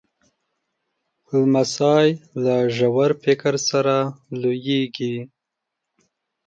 لمسی له ژور فکر سره لویېږي.